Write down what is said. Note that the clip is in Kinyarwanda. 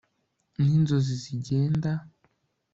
n'inzozi zigenda